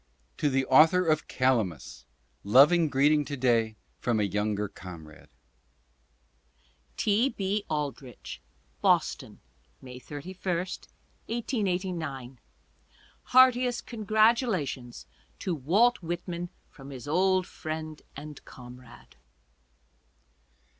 To the author of "Calamus," loving greeting to day from a younger comrade. T. B. Aldrich: Boston, May 31, 1889. Heartiest congratulations to Walt Whitman from his old friend and comrade.